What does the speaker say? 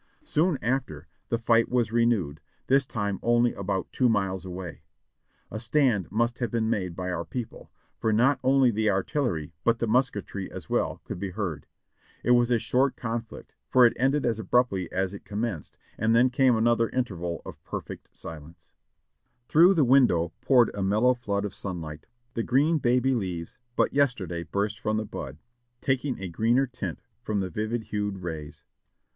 Soon after the fight was renewed ; this time only about two miles away. A stand must have been made by our people, for not only the artillery, but the musketry as well, could be heard. It was a short conflict, for it ended as abruptly as it commenced and then came another interval of perfect silence. 552 JOHNNY REB AND BILLY YANK Through the window poured a mellow flood of sunlight, the green baby leaves, but yesterday burst from the bud, taking a greener tint from the vivid hued rays.